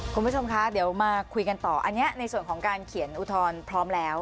คุณผู้ชมคะเดี๋ยวมาคุยกันต่ออันนี้ในส่วนของการเขียนอุทธรณ์พร้อมแล้ว